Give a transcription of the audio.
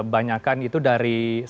banyakan itu dari sektor